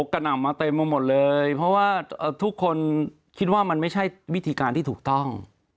หนำมาเต็มไปหมดเลยเพราะว่าทุกคนคิดว่ามันไม่ใช่วิธีการที่ถูกต้อง